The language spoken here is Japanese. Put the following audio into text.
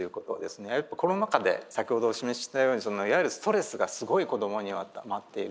コロナ禍で先ほどお示ししたようにそのいわゆるストレスがすごい子どもにはたまっている。